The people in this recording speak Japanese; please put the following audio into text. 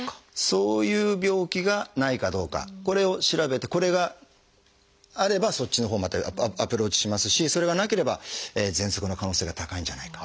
そういう病気がないかどうかこれを調べてこれがあればそっちのほうまたアプローチしますしそれがなければぜんそくの可能性が高いんじゃないか。